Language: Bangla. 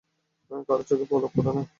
কারো চোখে পলক পড়ে না।